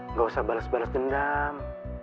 nggak usah bales bales gendam